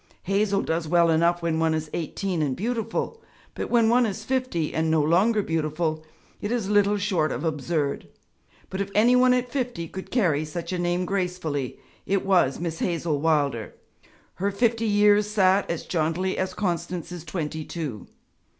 'Hazel' does well enough when one is eighteen and beautiful, but when one is fifty and no longer beautiful, it is little short of absurd. But if any one at fifty could carry such a name gracefully, it was Miss Hazel Wilder; her fifty years sat as jauntily as Constance's twenty two.